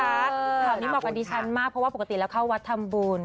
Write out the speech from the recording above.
ข่าวนี้เหมาะกับดิฉันมากเพราะว่าปกติเราเข้าวัดทำบุญ